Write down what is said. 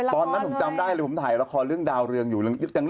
ตอนนั้นผมจำได้เรื่องละครดาวเรืองอยู่